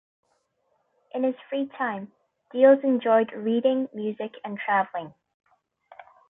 In his free time, Diels enjoyed reading, music and traveling.